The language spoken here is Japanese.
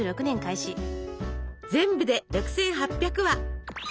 全部で６，８００話！